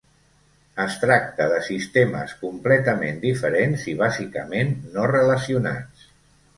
Es tracta de sistemes completament diferents i bàsicament no relacionats.